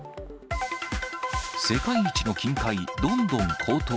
世界一の金塊どんどん高騰。